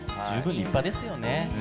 十分立派ですよね。